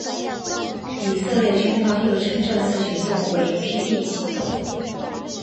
以色列军方又称这次行动为霹雳行动。